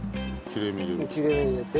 切れ目入れて。